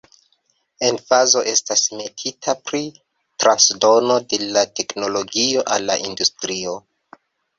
Emfazo estas metita pri transdono de la teknologio al la industrio.